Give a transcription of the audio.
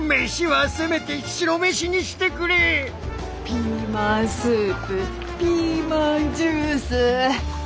ピーマンスープピーマンジュース。